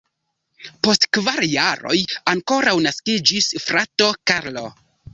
Post kvar jaroj ankoraŭ naskiĝis frato Karlo.